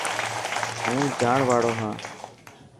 هون جاڻ واڙو هان.